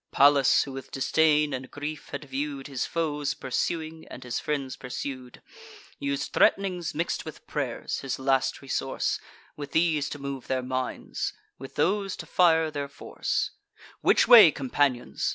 Pallas, who with disdain and grief had view'd His foes pursuing, and his friends pursued, Us'd threat'nings mix'd with pray'rs, his last resource, With these to move their minds, with those to fire their force "Which way, companions?